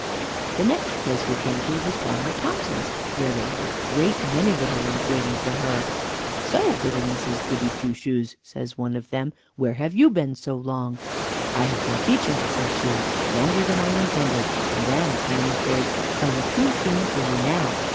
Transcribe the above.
The next place we came to was Farmer Thomson's, where there was a great many little ones waiting for her. "So, Little Mrs. Goody Two Shoes," says one of them, "where have you been so long?" "I have been teaching," says she, "longer than I intended, and am, I am afraid, come too soon for you now."